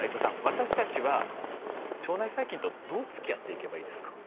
私たちは腸内細菌とどうつきあっていけばいいですか？